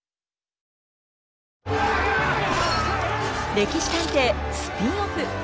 「歴史探偵」スピンオフ。